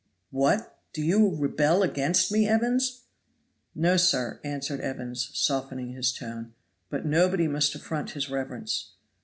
"What, do you rebel against me, Evans?" "No, sir," answered Evans softening his tone, "but nobody must affront his reverence.